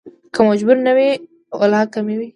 که مجبور نه وى ولا کې مې